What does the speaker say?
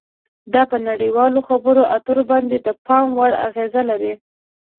دا په نړیوالو خبرو اترو باندې د پام وړ اغیزه لري